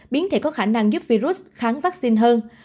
biến thể có khả năng giúp virus kháng vaccine hơn